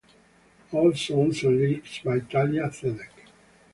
All songs and lyrics by Thalia Zedek.